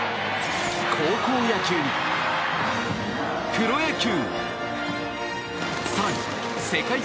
高校野球に、プロ野球！